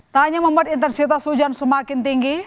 tak hanya membuat intensitas hujan semakin tinggi